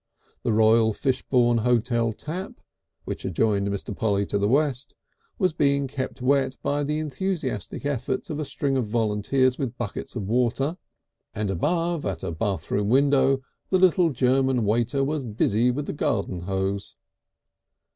The Royal Fishbourne Hotel Tap, which adjoined Mr. Polly to the west, was being kept wet by the enthusiastic efforts of a string of volunteers with buckets of water, and above at a bathroom window the little German waiter was busy with the garden hose.